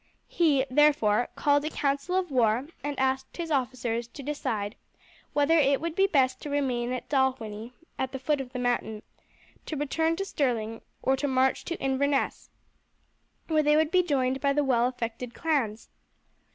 He, therefore, called a council of war and asked his officers to decide whether it would be best to remain at Dalwhinnie at the foot of the mountain, to return to Sterling, or to march to Inverness, where they would be joined by the well affected clans.